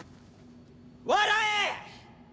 笑え！